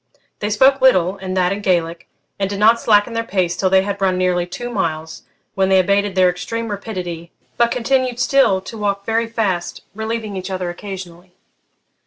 They spoke little, and that in Gaelic; and did not slacken their pace till they had run nearly two miles, when they abated their extreme rapidity, but continued still to walk very fast, relieving each other occasionally.